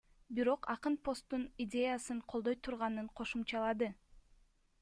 Бирок акын посттун идеясын колдой турганын кошумчалады.